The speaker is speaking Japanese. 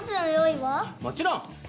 もちろん。